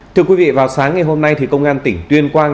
thưa quý vị vào sáng ngày hôm nay thì công an tỉnh tuyên quang